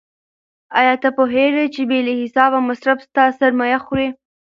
آیا ته پوهېږې چې بې له حسابه مصرف ستا سرمایه خوري؟